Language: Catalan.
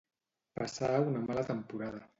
Passar una mala temporada.